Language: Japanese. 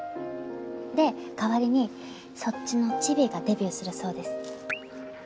で代わりにそっちのちびがデビューするそうです。